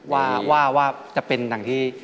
ว่าว่าว่าจะเป็นหนังที่